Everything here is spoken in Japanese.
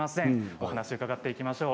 お話を伺っていきましょう。